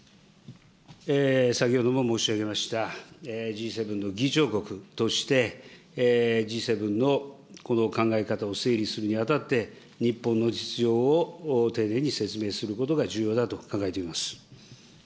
先ほども申し上げました、Ｇ７の議長国として、Ｇ７のこの考え方を整理するにあたって、日本の実情を丁寧に説明することが重要だと考えています。